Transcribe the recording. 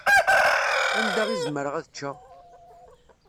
Anda i zemreɣ ad ččeɣ?